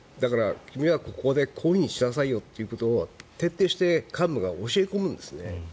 君はここでこういうふうにしなさいと徹底して幹部が教え込むんです。